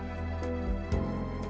tidak ada apa apa